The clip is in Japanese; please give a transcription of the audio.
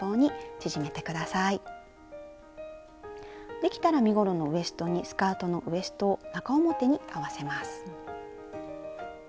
できたら身ごろのウエストにスカートのウエストを中表に合わせます。